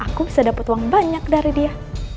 aku bisa dapat uang banyak dari dia